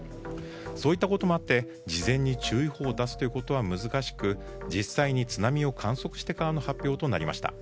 そういったこともあって事前に注意報を出すことは難しく実際に津波を観測してからの発表となりました。